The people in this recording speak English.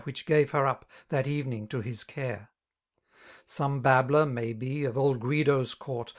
Which gave her up, that evening, to his care. Some babbler, may be, of old Guido's court.